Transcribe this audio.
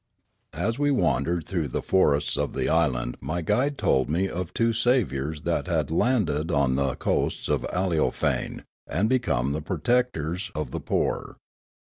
As we wandered through the forests of the island ni}' guide told me of two saviours that had landed on the 114 Riallaro coasts of Aleofane and become the protectors of the poor.